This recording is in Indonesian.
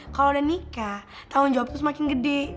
kalo udah nikah tanggung jawabnya semakin gede